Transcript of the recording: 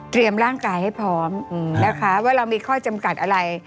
ร่างกายให้พร้อมนะคะว่าเรามีข้อจำกัดอะไร